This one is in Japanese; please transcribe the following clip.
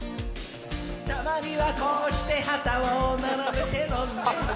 たまにはこうして旗を並べて飲んで